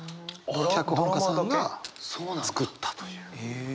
脚本家さんが作ったという。え。